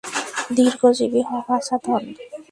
দীর্ঘজীবী হ, বাছাধন।